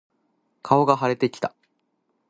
顔が腫れてきた。